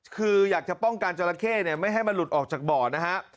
คืออยากจะป้องกันจราเข้ไม่ให้มันหลุดออกจากบ่อนะฮะ